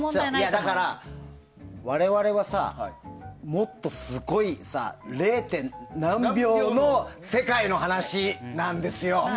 だから、我々はさもっとすごい０．何秒の世界の話なんですよ。